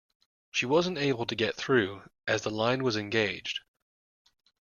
She wasn’t able to get through, as the line was engaged